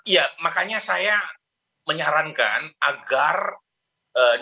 ya makanya saya menyarankan agar dirinya